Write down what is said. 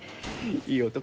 いい男。